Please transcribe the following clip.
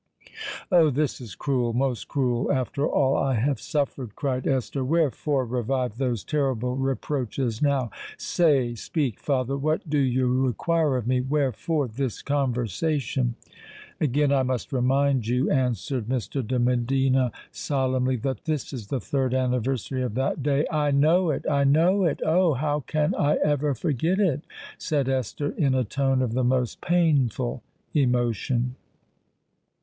"Oh! this is cruel—most cruel, after all I have suffered!" cried Esther. "Wherefore revive those terrible reproaches now? Say—speak, father—what do you require of me? wherefore this conversation?" "Again I must remind you," answered Mr. de Medina solemnly, "that this is the third anniversary of that day——" "I know it—I know it? Oh! how can I ever forget it?" said Esther in a tone of the most painful emotion.